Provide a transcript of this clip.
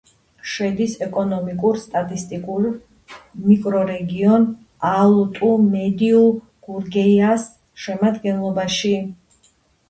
შედის ეკონომიკურ-სტატისტიკურ მიკრორეგიონ ალტუ-მედიუ-გურგეიას შემადგენლობაში.